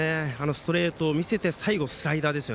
ストレートを見せて最後、スライダーです。